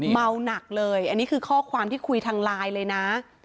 เมาหนักเลยอันนี้คือข้อความที่คุยทางไลน์เลยนะ